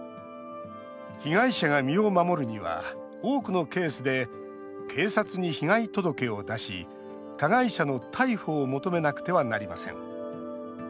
被害者が身を守るには多くのケースで警察に被害届を出し加害者の逮捕を求めなくてはなりません。